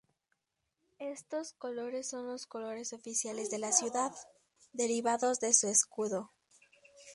Estos colores son los colores oficiales de la ciudad, derivados de su escudo.